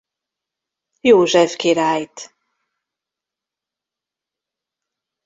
József királyt.